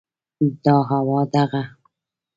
دا هوا، دغه